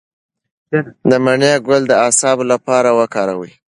د مڼې ګل د اعصابو لپاره وکاروئ